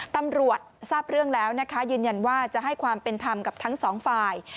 ตำรวจทราบเรื่องแล้วนะคะยืนยันว่าจะให้ความเป็นธรรมกับทั้งสองฝ่าย